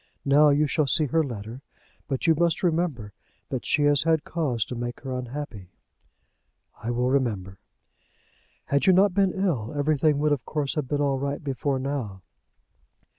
Now you shall see her letter. But you must remember that she has had cause to make her unhappy." "I will remember." "Had you not been ill, everything would of course have been all right before now."